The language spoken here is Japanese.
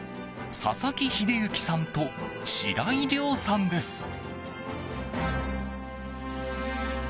佐々木英之さんと白井良さんです。